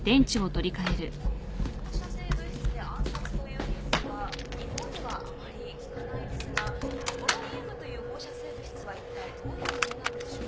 放射性物質で暗殺というニュースは日本ではあまり聞かないですがポロニウムという放射性物質はいったいどういうものなのでしょうか。